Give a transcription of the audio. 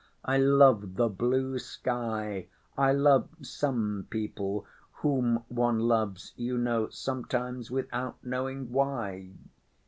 I love the blue sky, I love some people, whom one loves you know sometimes without knowing why.